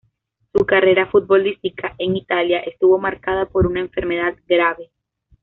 Su carrera futbolística en Italia estuvo marcada por una enfermedad grave.